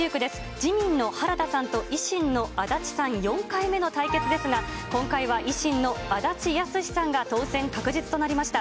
自民の原田さんと維新の足立さん、４回目の対決ですが、今回は維新の足立康史さんが当選確実となりました。